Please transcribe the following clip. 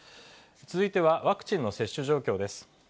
続いては、ワクチンの接種状況です。